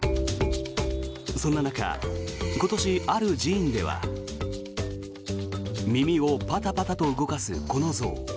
そんな中、今年ある寺院では耳をパタパタと動かすこの象。